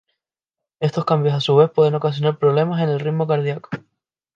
Estos cambios, a su vez, pueden ocasionar problemas en el ritmo cardíaco.